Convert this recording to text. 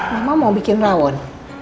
mama mau bikin rawon